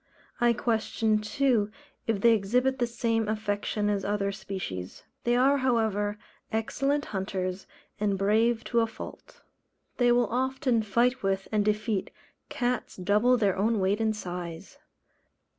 I question too if they exhibit the same affection as other species. They are, however, excellent hunters, and brave to a fault. They will often fight with, and defeat, cats double their own weight and size.